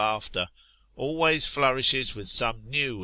4Z laughter, always flourishes with some new.